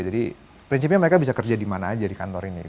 jadi prinsipnya mereka bisa kerja di mana aja di kantor ini